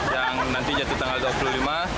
yang nanti jatuh tanggal dua puluh lima